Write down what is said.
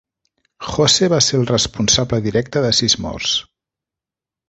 Jose va ser el responsable directe de sis morts.